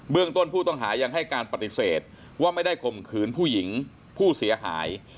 ต้นผู้ต้องหายังให้การปฏิเสธว่าไม่ได้ข่มขืนผู้หญิงผู้เสียหาย